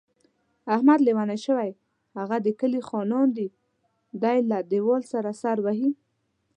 احمد لېونی شوی، هغوی د کلي خانان دي. دی له دېوال سره سر وهي.